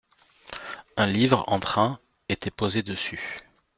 Un livre en train était posé dessus